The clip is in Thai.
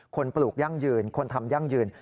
ปลูกยั่งยืนคนทำยั่งยืน